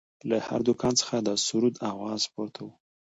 له هر دوکان څخه د سروذ اواز پورته و.